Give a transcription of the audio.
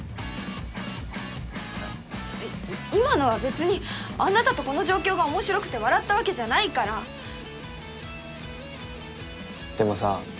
今のは別にあなたとこの状況が面白くて笑ったわけじゃないからでもさ